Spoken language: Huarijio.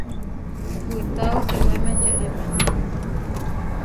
Kuitá utewáeme čeʼrépani.